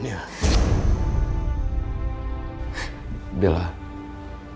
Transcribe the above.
dan aku akan mencintai dia